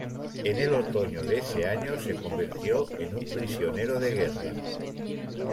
En el otoño de ese año se convirtió en un prisionero de guerra.